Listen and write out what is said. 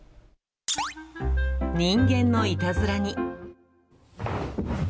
人間のいたずらに。